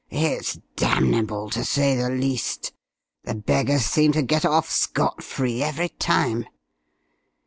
It's damnable, to say the least! The beggars seem to get off scot free every time.